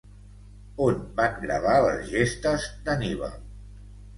On van gravar les gestes d'Anníbal?